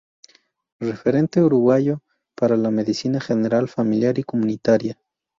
Referente uruguayo para la medicina general, familiar y comunitaria.